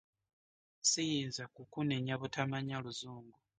Ssiyinza kukunenya butamanya luzungu.